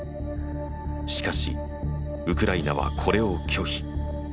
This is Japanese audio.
しかしウクライナはこれを拒否。